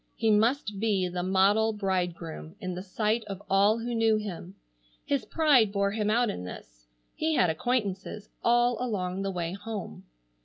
He must be the model bridegroom in the sight of all who knew him. His pride bore him out in this. He had acquaintances all along the way home.